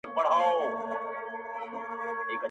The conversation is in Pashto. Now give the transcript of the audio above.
بزرګه محبته! او ناکامه —- محبته!!